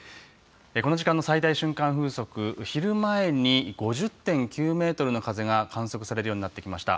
この時間の最大瞬間風速、昼前に５０．９メートルの風が観測されるようになってきました。